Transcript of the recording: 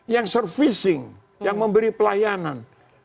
yang servishing yang memberi pelayanan